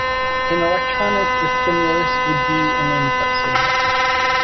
In electronics this stimulus would be an input signal.